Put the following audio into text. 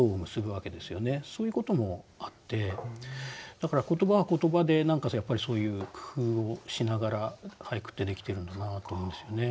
そういうこともあってだから言葉は言葉でやっぱりそういう工夫をしながら俳句ってできてるんだなと思いますよね。